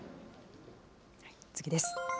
次です。